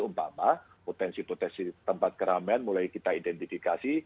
umpama potensi potensi tempat keramaian mulai kita identifikasi